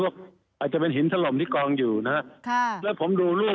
ผมไม่ได้เข้าไปหรอกแต่ว่าผมเคยสำนวทถ้ำแล้ว